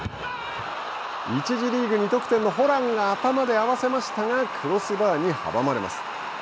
１次リーグ２得点のホランが頭で合わせましたがクロスバーに阻まれます。